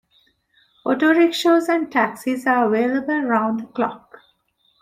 Autorickshaws and taxis are available round the clock.